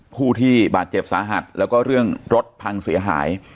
ผู้ที่บาดเจ็บสาหัสแล้วก็เรื่องรถพังเสียหาย